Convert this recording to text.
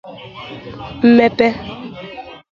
mmepe